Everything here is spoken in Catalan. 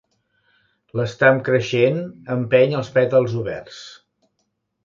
L'estam creixent empeny els pètals oberts.